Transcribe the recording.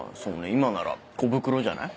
今ならコブクロじゃない？